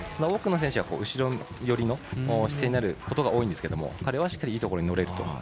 多くの選手は後ろ寄りの姿勢になることが多いんですが彼はしっかりいいところに乗れていると。